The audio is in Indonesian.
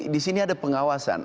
di sini ada pengawasan